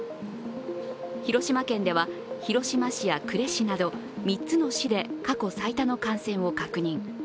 広島県では、広島市や呉市など３つの市で過去最多の感染を確認。